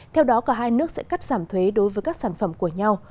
theo đó cả hai nước sẽ cắt giảm thuế đối với các sản phẩm của nhau